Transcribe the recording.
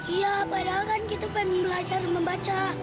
iya padahal kan kita kan belajar membaca